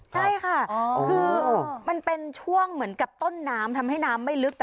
ใช่ค่ะคือมันเป็นช่วงเหมือนกับต้นน้ำทำให้น้ำไม่ลึก